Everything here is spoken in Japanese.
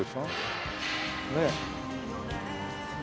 ねえ。